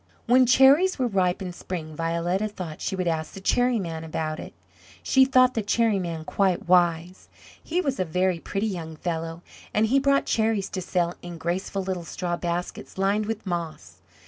When cherries were ripe in spring, Violetta thought she would ask the Cherry man about it. She thought the Cherry man quite wise. He was a very pretty young fellow, and he brought cherries to sell in graceful little straw baskets lined with moss.